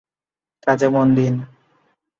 কাজে মন দিন!